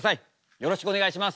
よろしくお願いします。